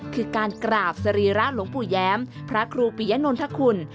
คือการกราบสรีระหลวงปู่แย้มพระครูปิยะนนทคุณ